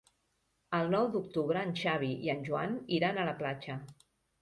El nou d'octubre en Xavi i en Joan iran a la platja.